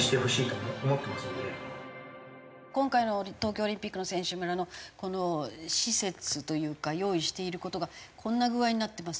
今回の東京オリンピックの選手村のこの施設というか用意している事がこんな具合になってます。